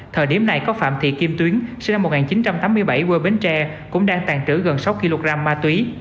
thời điểm này có phạm thị kim tuyến sinh năm một nghìn chín trăm tám mươi bảy quê bến tre cũng đang tàn trữ gần sáu kg ma túy